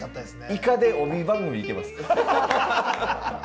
イカで帯番組いけます！